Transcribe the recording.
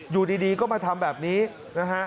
อยู่ดีก็มาทำแบบนี้นะฮะ